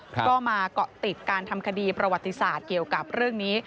ก็มาเกาะติดการทำคดีประวัติศาสตร์เกี่ยวกับเรื่องนี้